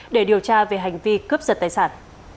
để điều tra về hành vi cướp giật tài sản